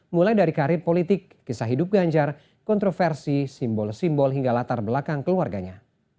mulai dari karir politik kisah hidup ganjar kontroversi simbol simbol hingga latar belakang keluarganya